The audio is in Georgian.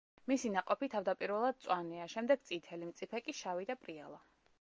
მისი ნაყოფი თავდაპირველად მწვანეა, შემდეგ წითელი, მწიფე კი შავი და პრიალა.